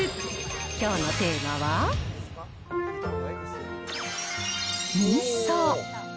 きょうのテーマは、みそ。